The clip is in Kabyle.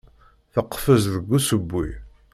Teqfez deg usewwi.